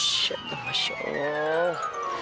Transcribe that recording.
oh syekh masya allah